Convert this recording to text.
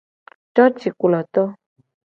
Cocikploto.